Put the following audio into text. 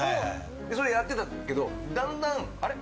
それやってたけど、だんだんあれ？